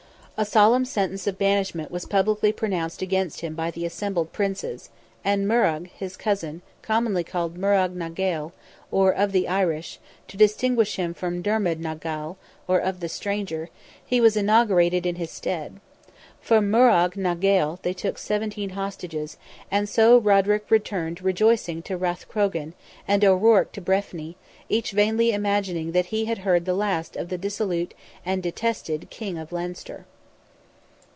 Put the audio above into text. A solemn sentence of banishment was publicly pronounced against him by the assembled Princes, and Morrogh, his cousin, commonly called Morrogh na Gael, or "of the Irish," to distinguish him from Dermid na Gall, or "of the Stranger," was inaugurated in his stead. From Morrogh na Gael they took seventeen hostages, and so Roderick returned rejoicing to Rathcrogan, and O'Ruarc to Breffni, each vainly imagining that he had heard the last of the dissolute and detested King of Leinster.